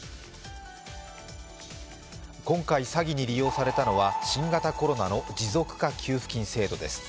今回、詐欺に利用されたのは新型コロナの持続化給付金制度です。